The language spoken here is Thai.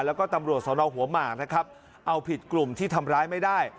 แล้วก็ตำรวจสนหัวหมากนะครับเอาผิดกลุ่มที่ทำร้ายไม่ได้